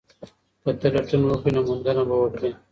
که ته لټون وکړې نو موندنه به وکړې.